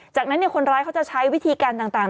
จากนั้นคนร้ายเขาจะใช้วิธีการต่าง